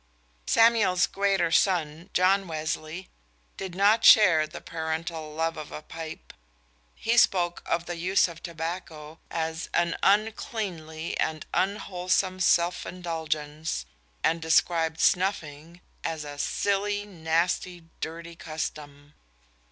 _ Samuel's greater son, John Wesley, did not share the parental love of a pipe. He spoke of the use of tobacco as "an uncleanly and unwholesome self indulgence," and described snuffing as "a silly, nasty, dirty custom."